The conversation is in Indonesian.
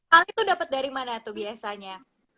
hal itu dapat dari mana tuh biasanya